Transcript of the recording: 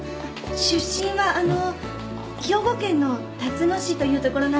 出身はあの兵庫県のたつの市という所なんですが。